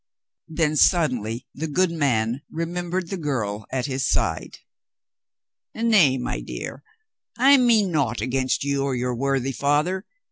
Then sud denly the good man remembered the girl at his side. "Nay, my dear, I mean naught against you or your worthy father.